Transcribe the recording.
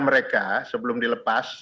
mereka sebelum dilepas